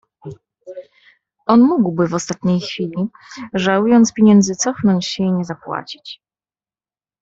"On mógłby w ostatniej chwili, żałując pieniędzy, cofnąć się i nie zapłacić."